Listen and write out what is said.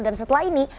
dan setelah ini